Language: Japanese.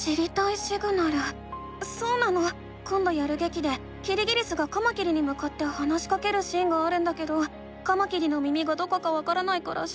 そうなのこんどやるげきでキリギリスがカマキリにむかって話しかけるシーンがあるんだけどカマキリの耳がどこかわからないから知りたいの。